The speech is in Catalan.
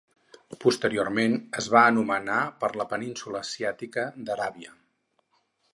Posteriorment es va anomenar per la península asiàtica d'Aràbia.